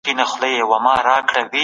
کله د لمر رڼا زموږ خوب او ذهن تنظیموي؟